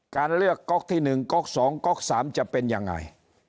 การเลือกก๊อกที่๑ก๊อก๒ก๊อก๓จะเป็นยังไง